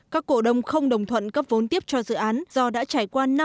các cổ đồng không đồng thuận cấp vốn tiếp cho dự án do đã trải qua năm năm không dừng